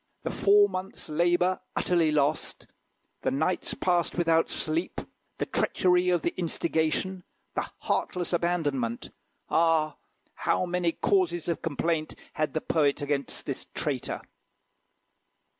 The four months' labour utterly lost; the nights passed without sleep; the treachery of the instigation; the heartless abandonment! Ah! how many causes of complaint had the poet against this traitor!